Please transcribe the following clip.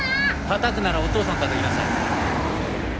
たたくならお父さんたたきなさい。